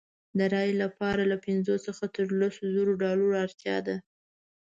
د رایې لپاره له پنځو څخه تر لسو زرو ډالرو اړتیا ده.